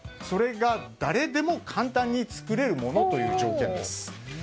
それが、誰でも簡単に作れるものという条件です。